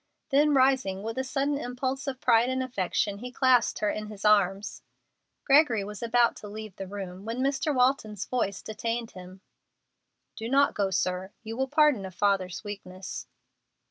Then rising with a sudden impulse of pride and affection he clasped her in his arms. Gregory was about to leave the room, when Mr. Walton's voice detained him. "Do not go, sir. You will pardon a father's weakness."